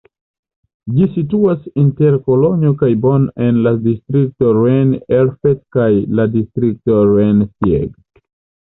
Ĝi situas inter Kolonjo kaj Bonn en la distrikto Rhein-Erft kaj la distrikto Rhein-Sieg.